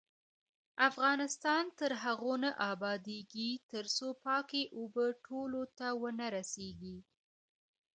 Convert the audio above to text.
افغانستان تر هغو نه ابادیږي، ترڅو پاکې اوبه ټولو ته ونه رسیږي.